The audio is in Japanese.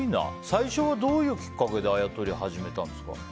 最初はどういうきっかけであやとりを始めたんですか？